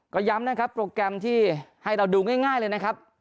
ก็ย้ำนะครับโปรแกรมที่ให้เราดูง่ายเลยนะครับ